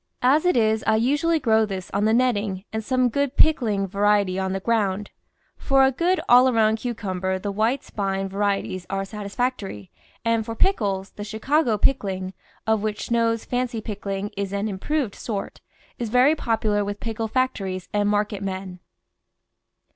As it is I usually grow this on the netting and some good pick ling variety on the ground. For a good all around cucumber the white spine varieties are satisfactory, and for pickles, the Chicago Pickling, of which Snow's Fancy Pickling is an improved sort, is VINE VEGETABLES AND FRUITS very popular with pickle factories and market men.